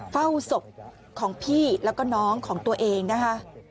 เฝ้าศพของพี่แล้วก็น้องของตัวเองนะคะ